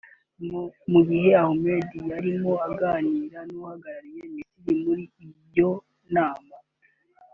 mu gihe Khamati yarimo aganira n’uhagarariye Misiri muri iyo nama